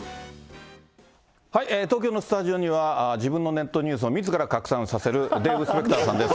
東京のスタジオには自分のネットニュースを、みずから拡散させるデーブ・スペクターさんです。